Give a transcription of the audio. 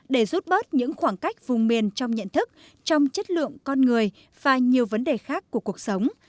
để rút bớt những khoảng cách vùng miền trong nhận thức trong chất lượng con người và nhiều vấn đề khác của cuộc sống